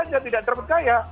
sehingga tidak terpercaya